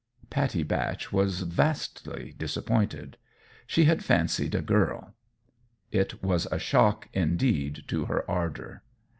Pattie Batch was vastly disappointed. She had fancied a girl. It was a shock, indeed, to her ardour.